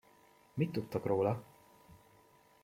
Mit tudtok róla?